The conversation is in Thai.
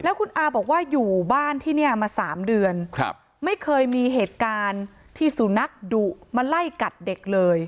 คุณอาบอกว่าอยู่บ้านที่เนี่ยมา๓เดือนไม่เคยมีเหตุการณ์ที่สุนัขดุมาไล่กัดเด็กเลย